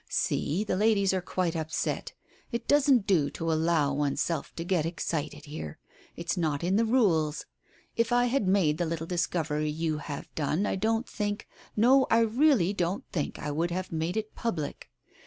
See, the ladies are quite upset. It doesn't do to allow Oneself to get excited here — it's not in the rules. If I had made the little discovery you have done, I don't think — no, I really don't think I would have made it public.